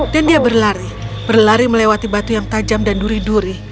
dan dia berlari berlari melewati batu yang tajam dan duri duri